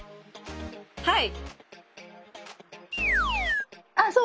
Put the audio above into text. はい。